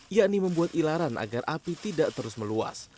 yakni membuat ilaran agar api tidak terus meluas